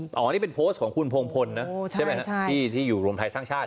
อ๋องนี่เป็นโพสต์ของคุณพงพลนะที่อยู่รวมไทยสร้างชาติ